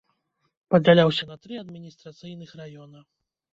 Падзяляўся на тры адміністрацыйных раёна.